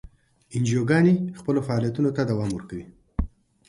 انجیوګانې خپلو فعالیتونو ته دوام ورکوي.